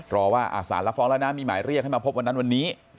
รอว่าสารรับฟ้องแล้วนะมีหมายเรียกให้มาพบวันนั้นวันนี้